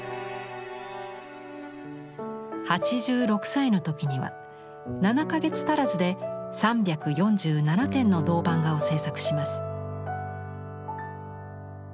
８６歳の時には７か月足らずで３４７点の銅版画を制作します。